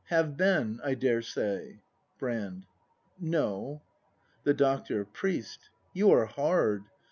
Have been, I daresay? Brand. No. The Doctor. Priest, you are hard.